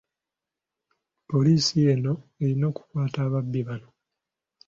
Poliisi eno erina okukwata ababbi bano.